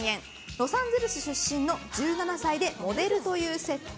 ロサンゼルス出身の１７歳でモデルという設定。